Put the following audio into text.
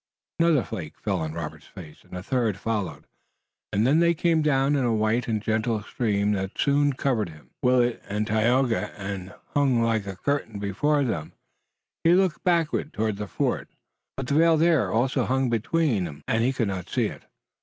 Another flake fell on Robert's face and a third followed, and then they came down in a white and gentle stream that soon covered him, Willet and Tayoga and hung like a curtain before them. He looked back toward the fort, but the veil there also hung between and he could not see it.